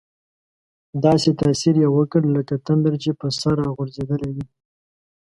داسې تاثیر یې وکړ لکه تندر چې په سر را غورځېدلی وي.